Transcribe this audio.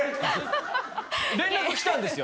連絡来たんですよ。